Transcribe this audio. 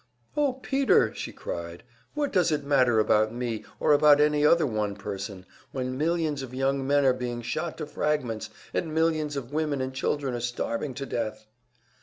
"Oh Peter!" she cried. "What does it matter about me, or about any other one person, when millions of young men are being shot to fragments, and millions of women and children are starving to death!"